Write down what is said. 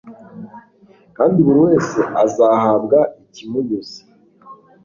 kandi buri wese azahabwa ikimunyuze